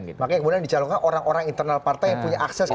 makanya kemudian dicalonkan orang orang internal partai yang punya akses